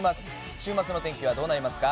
週末の天気はどうなりますか。